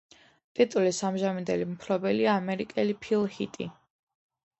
ტიტულის ამჟამინდელი მფლობელია ამერიკელი ფილ ჰიტი.